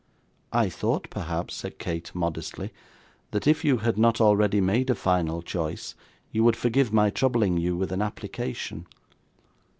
'I thought, perhaps,' said Kate, modestly, 'that if you had not already made a final choice, you would forgive my troubling you with an application.